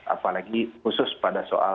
apalagi khusus pada soal